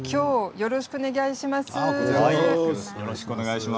よろしくお願いします。